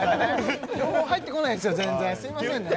情報入ってこないですよ全然すいませんね